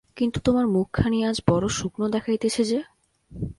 কিন্তু তোমার মুখখানি আজ বড়ো শুকনো দেখাইতেছে যে?